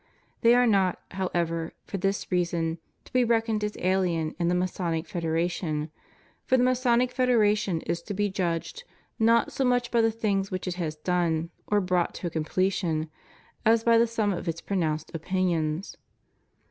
They are not, however, for this reason, to be reckoned as ahen to the IMasonic fed eration; for the Masonic federation is to be judged not so much by the things which it has done, or brought to completion, as by the sum of its pronounced opinions.